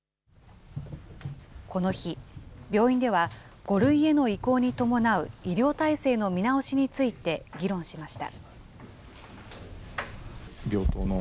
この日、病院では５類への移行に伴う医療体制の見直しについて議論しました。